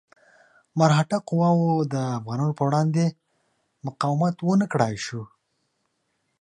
مرهټه قواوو د افغانانو په وړاندې مقاومت ونه کړای شو.